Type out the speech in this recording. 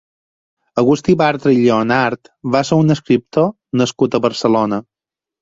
Agustí Bartra i Lleonart va ser un escriptor nascut a Barcelona.